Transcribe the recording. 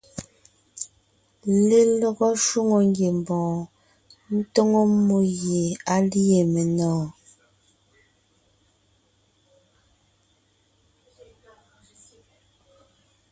Lelɔgɔ shwòŋo ngiembɔɔn tóŋo mmó gie á lîe menɔ̀ɔn.